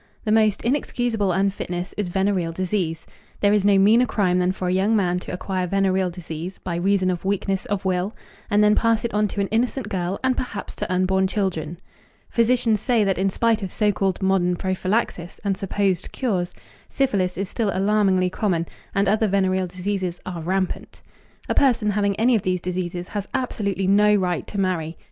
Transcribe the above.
The most inexcusable unfitness is venereal disease. There is no meaner crime than for a young man to acquire venereal disease by reason of weakness of will, and then pass it on to an innocent girl and perhaps to unborn children. Physicians say that in spite of so called modern prophylaxis and supposed cures, syphilis is still alarmingly common, and other venereal diseases are rampant. A person having any of these diseases has absolutely no right to marry.